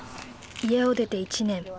家を出て１年。